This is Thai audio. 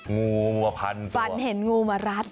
งูมาพันธฝันเห็นงูมารัด